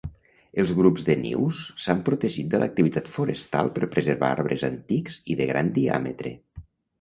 Els grups de nius s'han protegit de l'activitat forestal per preservar arbres antics i de gran diàmetre.